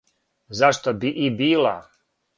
Зашто би и била?